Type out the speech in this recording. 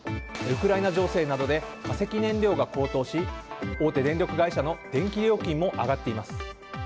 ウクライナ情勢などで化石燃料が高騰し大手電力会社の電気料金も上がっています。